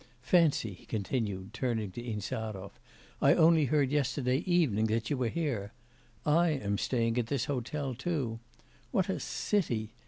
Fancy,' he continued, turning to Insarov, 'I only heard yesterday evening that you were here. I am staying at this hotel too. What a city!